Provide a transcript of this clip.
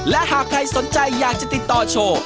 และหากใครสนใจอยากจะติดต่อโชว์